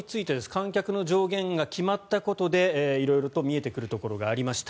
観客の上限が決まったことで色々と見えてくることがありました。